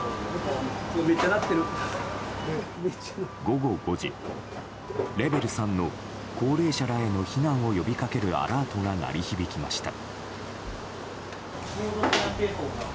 午後５時、レベル３の高齢者らへの避難を呼びかけるアラートが鳴り響きました。